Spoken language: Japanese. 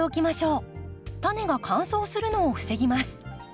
タネが乾燥するのを防ぎます。